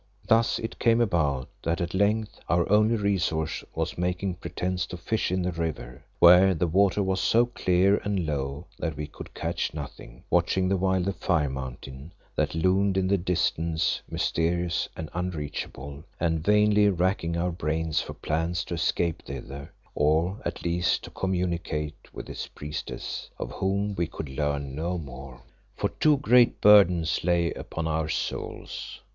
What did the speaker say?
Thus it came about that at length our only resource was making pretence to fish in the river, where the water was so clear and low that we could catch nothing, watching the while the Fire mountain, that loomed in the distance mysterious and unreachable, and vainly racking our brains for plans to escape thither, or at least to communicate with its priestess, of whom we could learn no more. For two great burdens lay upon our souls.